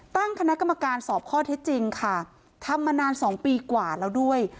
ตั้งคณะกรรมการสอบข้อเท็จจริงค่ะทำมานานสองปีกว่าแล้วด้วย